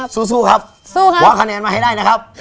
สู้ครับว้าคะแนนมาให้ได้นะครับ